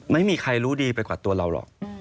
ไม่มีใครรู้ดีไปกว่าตัวเราหรอก